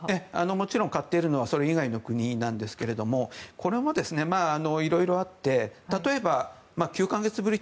もちろん買っているのはそれ以外の国なんですがこれも、色々あって例えば９か月ぶり